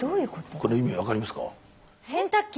この意味分かりますか？